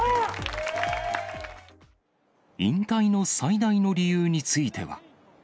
引退の最大の理由については。